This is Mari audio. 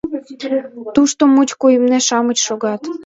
— Тушто мучко имне-шамыч шогат...